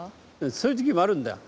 そういうときもあるんだよ。